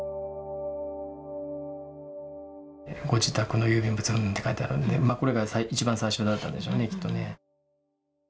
「ご自宅の郵便物うんぬん」って書いてあるのでこれが一番最初だったんでしょうねきっとね。